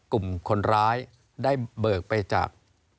กลุ่มคนร้ายได้เบิกไปจาก